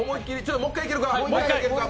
もう１回いけるか？